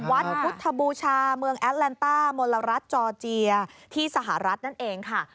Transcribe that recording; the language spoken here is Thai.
วัดพุทธบูชาเมืองแอดแลนต้ามลรัฐจอร์เจียที่สหรัฐนั่นเองค่ะ